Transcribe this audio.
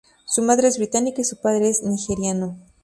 Su madre es británica y su padre es nigeriano.